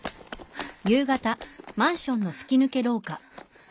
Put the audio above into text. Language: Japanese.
あっ。